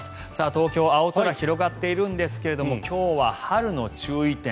東京、青空広がっているんですけれども今日は春の注意点